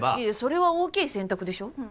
いやそれは大きい選択でしょ。